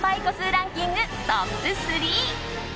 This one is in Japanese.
ランキングトップ３！